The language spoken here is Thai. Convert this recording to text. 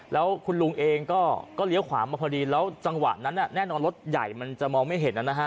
แล้วคุณลุงเองก็เลี้ยวขวามาพอดีแล้วจังหวะนั้นแน่นอนรถใหญ่มันจะมองไม่เห็นนะฮะ